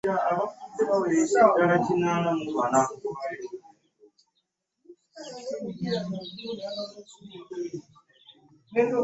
Yezziza bugya mu buli kimu.